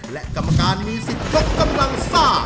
และกรรมการมีสิทธิ์ยกกำลังซ่า